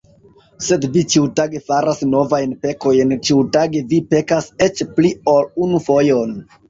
Sed vi ĉiutage faras novajn pekojn, ĉiutage vi pekas eĉ pli ol unu fojon!